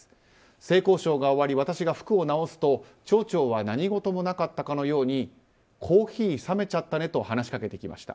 性交渉が終わり私が服を直すと町長は何事もなかったかのようにコーヒー冷めちゃったねと話しかけてきました。